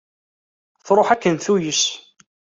Truḥ akken tuyes.